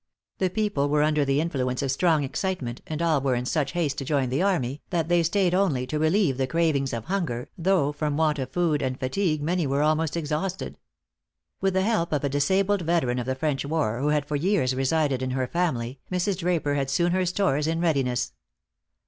The people were under the influence of strong excitement, and all were in such haste to join the army, that they stayed only to relieve the cravings of hunger, though from want of food, and fatigue, many were almost exhausted. With the help of a disabled veteran of the French war, who had for years resided in her family, Mrs. Draper had soon her stores in readiness.